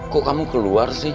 kok kamu keluar sih